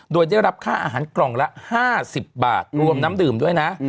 โดยได้รับค่าอาหารกล่องละ๕๐บาทรวมน้ำดื่มด้วยนะ